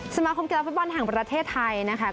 สมาคมกีฬาฟุตบอลแห่งประเทศไทยนะคะ